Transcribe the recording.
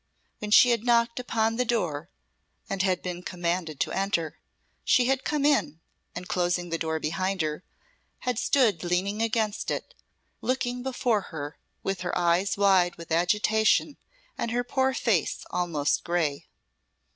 When she had knocked upon the door, and had been commanded to enter, she had come in, and closing the door behind her, had stood leaning against it, looking before her, with her eyes wide with agitation and her poor face almost grey.